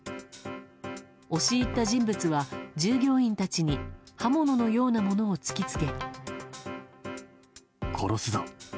押し入った人物は従業員たちに刃物のようなものを突き付け。